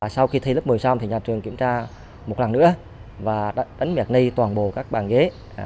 sau khi thi lớp một mươi xong thì nhà trường kiểm tra một lần nữa và đã đánh mẹt nây toàn bộ các bàn ghế